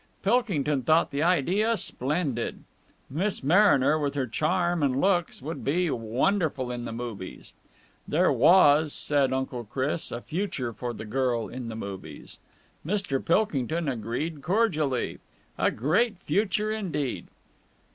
Pilkington thought the idea splendid. Miss Mariner, with her charm and looks, would be wonderful in the movies. There was, said Uncle Chris, a future for the girl in the movies. Mr. Pilkington agreed cordially. A great future indeed.